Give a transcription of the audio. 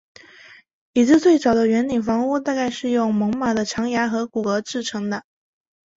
已知最早的圆顶房屋大概是用猛犸的长牙和骨骼制成的。